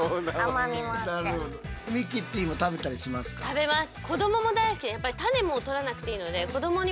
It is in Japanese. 食べます。